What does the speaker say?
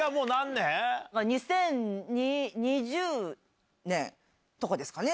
２０２０年とかですかね。